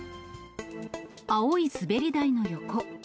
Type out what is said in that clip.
青い滑り台の横。